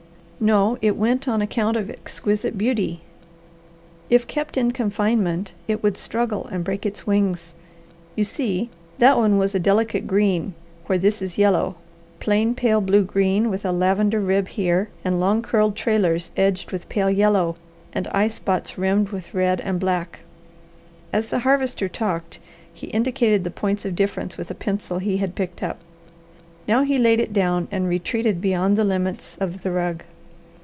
"No. It went on account of exquisite beauty. If kept in confinement it would struggle and break its wings. You see, that one was a delicate green, where this is yellow, plain pale blue green, with a lavender rib here, and long curled trailers edged with pale yellow, and eye spots rimmed with red and black." As the Harvester talked he indicated the points of difference with a pencil he had picked up; now he laid it down and retreated beyond the limits of the rug.